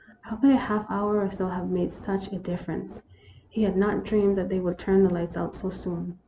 How could a half hour or so have made such a difference ? He had not dreamed that they would turn the lights out so soon.